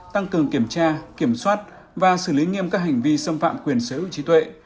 tăng cường kiểm tra kiểm soát và xử lý nghiêm các hành vi xâm phạm quyền sở hữu trí tuệ